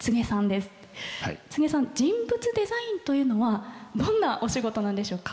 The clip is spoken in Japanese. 柘植さん人物デザインというのはどんなお仕事なんでしょうか？